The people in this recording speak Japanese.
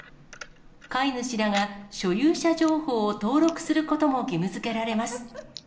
飼い主らが所有者情報を登録することも義務づけられます。